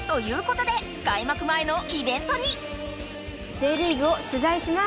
Ｊリーグを取材します！